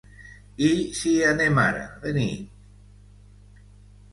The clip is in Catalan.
I si hi anem ara, de nit?